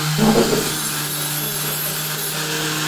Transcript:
ধ্বংসস্তুপের নিচ থেকে লোকজনকে উদ্ধারে শতশত উদ্ধারকর্মী কাজ করছে।